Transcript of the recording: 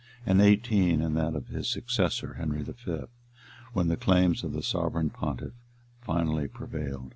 and eighteen in that of his successor, Henry V., when the claims of the sovereign pontiff finally prevailed.